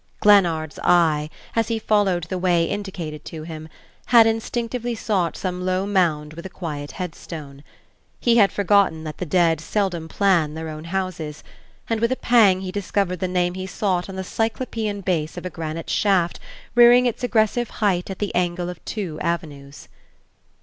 Glennard's eye, as he followed the way indicated to him, had instinctively sought some low mound with a quiet headstone. He had forgotten that the dead seldom plan their own houses, and with a pang he discovered the name he sought on the cyclopean base of a granite shaft rearing its aggressive height at the angle of two avenues.